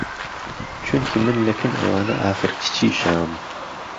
چونکی من له کن ئهوانه ئاخر کچی شام